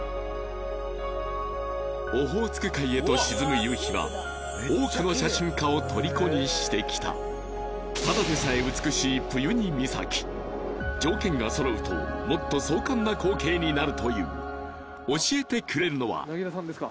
オホーツク海へと沈む夕日は多くの写真家をとりこにしてきたただでさえ美しいプユニ岬条件がそろうともっと壮観な光景になるという教えてくれるのは柳楽さんですか？